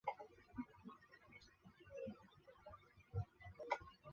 他在赫梅利尼茨基起义中积极镇压哥萨克。